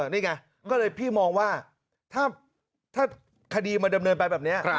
นี่ไงก็เลยพี่มองว่าถ้าคดีมันดำเนินไปแบบนี้